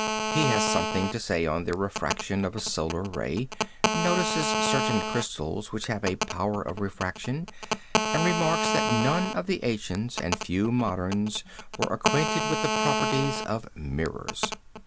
He has something to say on the refraction of a solar ray, notices certain crystals which have a power of refraction, and remarks that none of the ancients and few moderns were acquainted with the properties of mirrors."